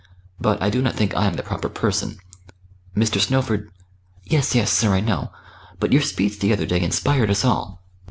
But I do not think I am the proper person. Mr. Snowford " "Yes, yes, sir, I know. But your speech the other day inspired us all.